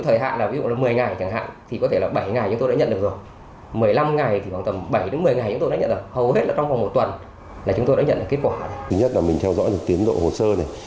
thứ nhất là mình theo dõi được tiến độ hồ sơ này